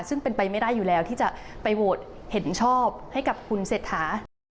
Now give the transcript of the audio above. ซึ่งเป็นไปไม่ได้อยู่แล้วที่จะไปโหวตเห็นชอบให้กับคุณเศรษฐา